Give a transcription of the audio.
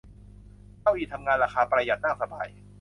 เก้าอี้ทำงานราคาประหยัด นั่งสบาย